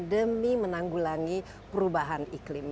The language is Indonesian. demi menanggulangi perubahan iklim